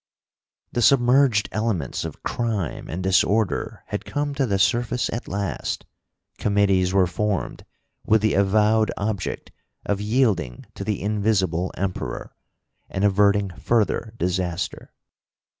The submerged elements of crime and disorder had come to the surface at last. Committees were formed, with the avowed object of yielding to the Invisible Emperor, and averting further disaster.